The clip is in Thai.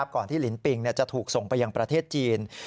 ก่อนที่ลินปิงจะถูกส่งไปยังประเทศจีน